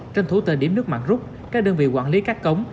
trên thủ tờ điểm nước mặn rút các đơn vị quản lý các cống